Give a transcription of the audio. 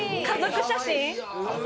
家族写真。